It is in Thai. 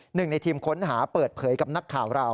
หนึ่งในทีมค้นหาเปิดเผยกับนักข่าวเรา